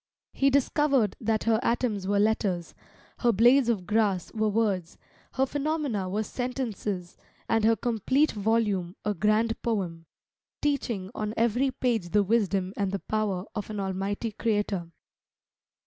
He discovered that her atoms were letters, her blades of grass were words, her phenomena were sentences, and her complete volume a grand poem, teaching on every page the wisdom and the power of an Almighty Creator.